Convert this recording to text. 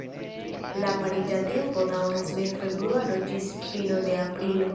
La pariĝa tempo daŭras de februaro ĝis fino de aprilo.